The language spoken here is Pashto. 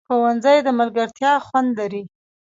ښوونځی د ملګرتیا خوند لري